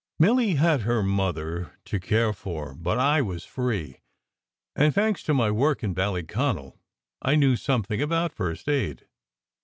Milly had her mother to care for; but I was free, and thanks to my work in Ballyconal, I knew something about first aid.